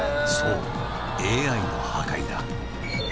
「そうＡＩの破壊だ」